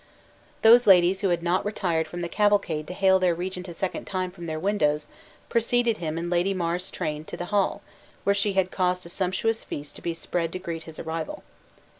Those ladies who had not retired from the cavalcade to hail their regent a second time from their windows, preceded him in Lady Mar's train to the hall, where she had caused a sumptuous feast to be spread to greet his arrival.